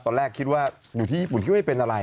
ตอนแรกคิดว่าอยู่ที่ญี่ปุ่นคิดว่าไม่เป็นอะไร